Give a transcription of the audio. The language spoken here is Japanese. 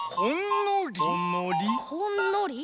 ほんのり？